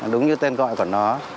đúng như tên gọi của nó